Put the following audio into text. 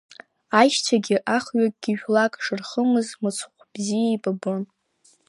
Аишьцәагьы ахҩыкгьы жәлак шырхымызгьы мыцхә бзиа еибабон.